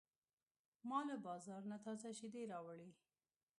ما له بازار نه تازه شیدې راوړې.